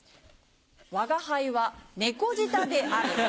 「吾輩は猫舌である」。